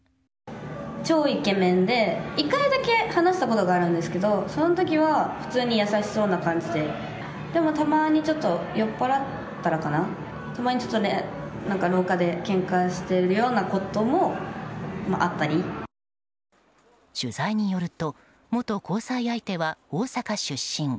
超イケメンで１回だけ話したことがあるんですけど、その時は普通に優しそうな感じででもたまにちょっと酔っぱらうと廊下でけんかしているような取材によると、元交際相手は大阪出身。